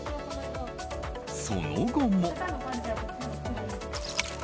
その後も。